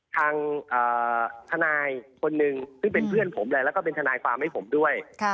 ทางทนายคนหนึ่งซึ่งเป็นเพื่อนผมและทนายความให้ผมด้วย